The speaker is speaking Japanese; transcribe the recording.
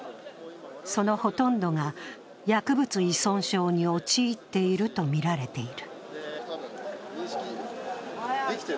そのほとんどが薬物依存症に陥っているとみられている。